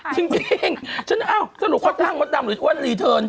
จริงฉันอ้าวสรุปเขาจ้างมดดำหรืออ้วนรีเทิร์น